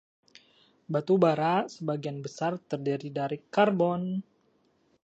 Batu bara sebagian besar terdiri dari karbon.